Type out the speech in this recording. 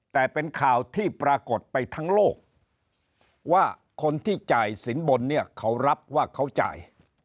แต่เป็นข่าวที่ปรากฏไปทั้งโลกว่าคนที่จ่ายสินบนเนี่ยเขารับว่าเขาจ่าย